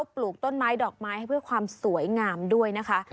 ปลูกต้นไม้ดอกไม้ให้เพื่อความสวยงามด้วยนะคะ